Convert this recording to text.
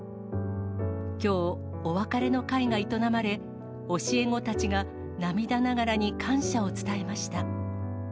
きょう、お別れの会が営まれ、教え子たちが涙ながらに感謝を伝えました。